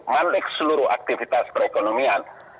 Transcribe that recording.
mandek seluruh aktivitas perekonomian